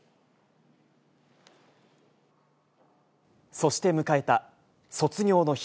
そして迎えた卒業の日。